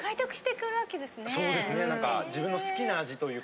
そうですね何か。